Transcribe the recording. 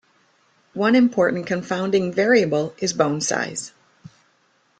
One important confounding variable is bone size.